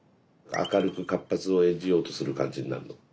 明るく活発を演じようとする感じになるの？